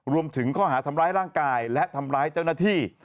รวมถึงข้อหาทำร้ายร่างกายและทำร้ายเจ้าหน้าที่